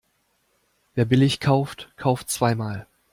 Wer billig kauft, kauft zweimal.